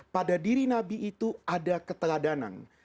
pada diri nabi itu ada keteladanan